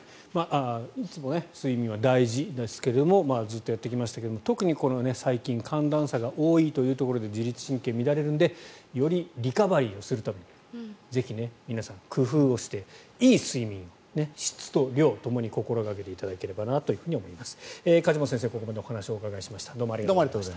睡眠は大事ですがずっとやってきましたけど特に最近寒暖差が多いというところで自律神経が乱れるのでよりリカバリーをするためにぜひ、皆さん、工夫をしていい睡眠を質と量ともに心掛けていただければと思います。